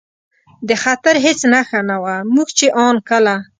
د خطر هېڅ نښه نه وه، موږ چې ان کله.